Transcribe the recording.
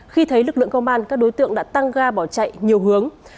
khi thấy lực lượng công an các đối tượng đã tăng ga bỏ chạy nhiều hướng